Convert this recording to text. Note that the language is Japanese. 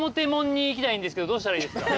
どうしたらいいですか？